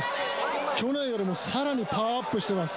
去年よりもさらにパワーアップしてます。